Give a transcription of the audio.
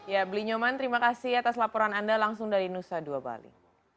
ya bli nyoman terima kasih atas laporan anda langsung dari nusa dua bali